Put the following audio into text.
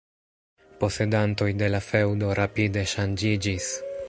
Posedantoj de la feŭdo rapide ŝanĝiĝis.